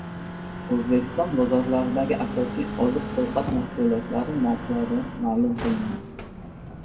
O‘zbekiston bozorlaridagi asosiy oziq-ovqat mahsulotlari narxlari ma’lum qilindi